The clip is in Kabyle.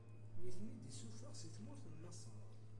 Mi ten-id-issufeɣ si tmurt n Maṣer.